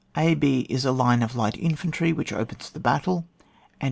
o, d is a line of light infantry which opens the hattle, and in.